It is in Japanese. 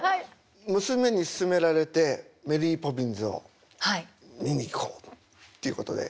娘に勧められて「メリー・ポピンズ」を。見に行こうということで。